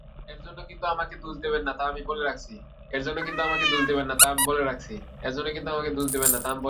এর জন্যে কিন্তু আমাকে দোষ দেবেন না তা আমি বলে রাখছি।